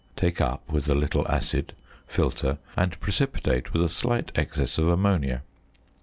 Take up with a little acid, filter, and precipitate with a slight excess of ammonia.